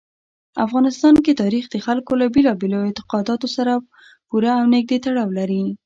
افغانستان کې تاریخ د خلکو له بېلابېلو اعتقاداتو سره پوره او نږدې تړاو لري.